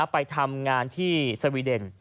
ไปทำงานที่สวีเดน